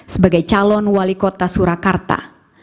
sebagai calon wali kota surakarta